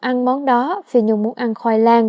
ăn món đó phi nhung muốn ăn khoai lang